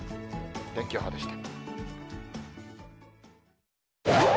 天気予報でした。